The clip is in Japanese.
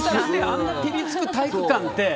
あんなピリつく体育館って。